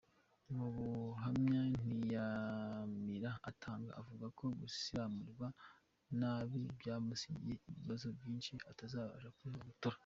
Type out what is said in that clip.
Mu buhamya Ntiyamira atanga, avuga ko gusiramurwa nabi byamusigiye ibibazo byinshi atazabasha kwigobotora.